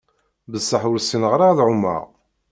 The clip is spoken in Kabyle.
Besseḥ ur ssineγ ara ad εummeγ.